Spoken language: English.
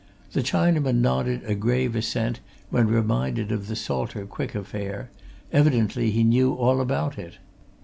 The Chinaman nodded a grave assent when reminded of the Salter Quick affair evidently he knew all about it.